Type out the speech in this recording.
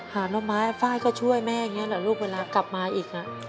หาน้ำไม้ฝ่ายก็ช่วยแม่เนี่ยลเวลากลับมาอีก